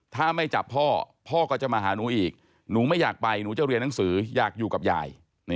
ถ้าไม่จับพ่อพ่อก็จะมาหาหนูอีกหนูไม่อยากไปหนูจะเรียนหนังสืออยากอยู่กับยาย